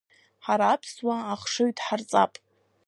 Ҳара аԥсуаа ахшыҩ дҳарҵап.